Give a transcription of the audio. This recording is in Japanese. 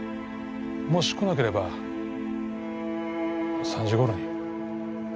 もし来なければ３時頃に。